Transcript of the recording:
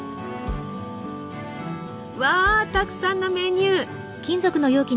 うわたくさんのメニュー！